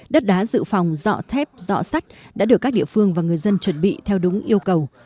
đất đá dự phòng dọ thép dọ sắt đã được các địa phương và người dân chuẩn bị theo đúng yêu cầu